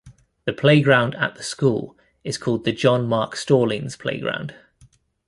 The playground at the school is called the John Mark Stallings Playground.